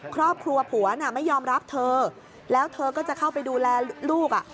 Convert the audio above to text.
ครอบครัวผัวน่ะไม่ยอมรับเธอแล้วเธอก็จะเข้าไปดูแลลูก